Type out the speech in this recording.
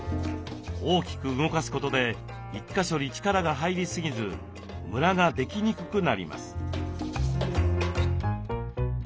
大きく動かすことで１か所に力が入りすぎずムラができにくくなります。